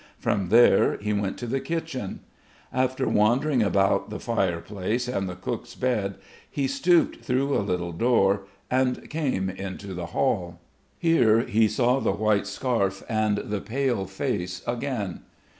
From there he went to the kitchen. After wandering about the fireplace and the cook's bed, he stooped through a little door and came into the hall. Here he saw the white scarf and the pale face again.